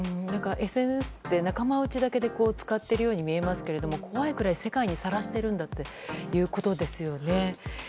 ＳＮＳって仲間内だけで使っているように見えますけど怖いくらい世界にさらしているんだということですよね。